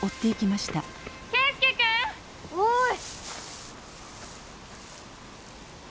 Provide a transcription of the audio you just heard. おい。